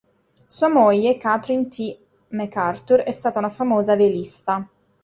Sua moglie, Catherine T. MacArthur è stata una famosa velista.